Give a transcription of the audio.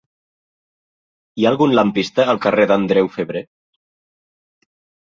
Hi ha algun lampista al carrer d'Andreu Febrer?